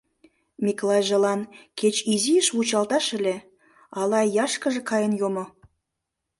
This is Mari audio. Миклайжылан кеч изиш вучалташ ыле, ала ияшкыже каен йомо.